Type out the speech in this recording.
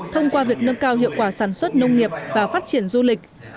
thông qua việc nâng cao hiệu quả sản xuất nông nghiệp và phát triển du lịch